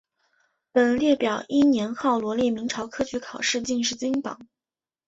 本列表依年号罗列明朝科举考试进士金榜。